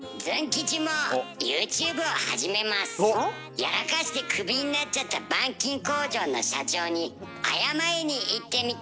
やらかしてクビになっちゃった板金工場の社長に謝りに行ってみた！